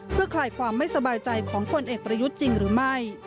เพื่อคลายความไม่สบายใจของคนเอกประยุทธ์จริงหรือไม่